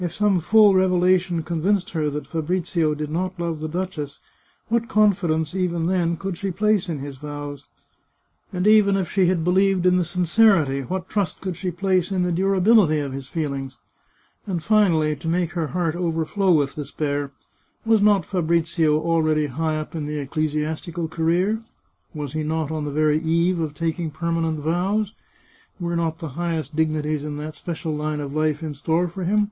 If some full revelation convinced her that Fabrizio did not love the duchess, what confidence, even then, could she place in his vows? And even if she had believed in the sincerity, what trust could she place in the durability of his feelings? And finally, to make her heart overflow with despair, was not Fabrizio already high up in the eccle siastical career? Was he not on the very eve of taking permanent vows? Were not the highest dignities in that special line of Hfe in store for him